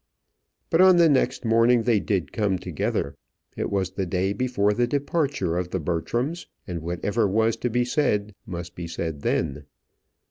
But on the next morning they did come together. It was the day before the departure of the Bertrams, and whatever was to be said must be said then.